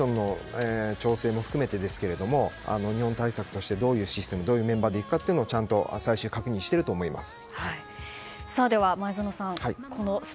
コンディションの調整も含めてですけれども日本対策としてどういうシステムどういうメンバーでいくか最終確認していると思います。